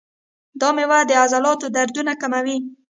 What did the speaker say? دا میوه د عضلاتو دردونه کموي.